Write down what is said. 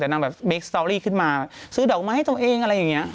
แต่นางแบบเบคสตอรี่ขึ้นมาซื้อดอกไม้ให้ตัวเองอะไรอย่างนี้